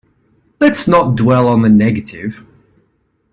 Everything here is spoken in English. Let's not dwell on the negative.